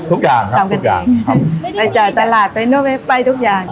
ทุกอย่างครับทุกอย่างครับไปเจอตลาดไปทุกอย่าง